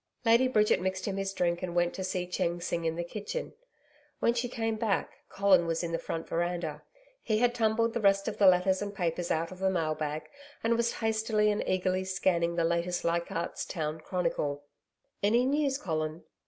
Lady Bridget mixed him his drink and went to see Chen Sing in the kitchen. When she came back, Colin was in the front veranda. He had tumbled the rest of the letters and papers out of the mail bag, and was hastily and eagerly scanning the last LEICHARDT'S TOWN CHRONICLE. 'Any news, Colin?'